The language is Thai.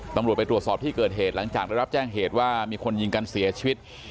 ตำรวจไปตรวจสอบที่เกิดเหตุหลังจากได้รับแจ้งเหตุว่ามีคนยิงกันเสียชีวิต